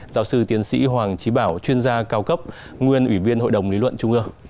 giáo sư tiến sĩ hoàng trí bảo chuyên gia cao cấp nguyên ủy viên hội đồng lý luận trung ương